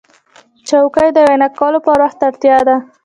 چوکۍ د وینا کولو پر وخت اړتیا ده.